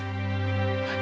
はい。